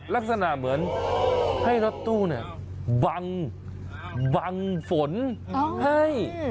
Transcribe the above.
ลักษณะเหมือนให้รถตู้บังฝนให้